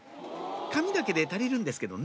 紙だけで足りるんですけどね